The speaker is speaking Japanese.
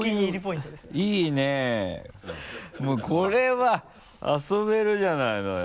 これは遊べるじゃないのよ。